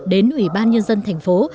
đến ủy ban nhân dân thành phố